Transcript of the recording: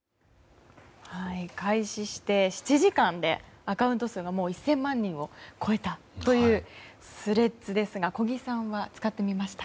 開始して７時間でアカウント数がもう１０００万人を超えたというスレッズですが小木さんは使ってみました？